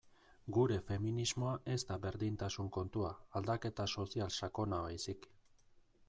Gure feminismoa ez da berdintasun kontua, aldaketa sozial sakona baizik.